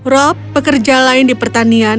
rob pekerja lain di pertanian